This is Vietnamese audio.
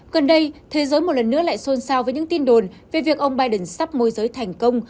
gần đây thế giới một lần nữa lại xôn xao với những tin đồn về việc ông biden sắp môi giới thành công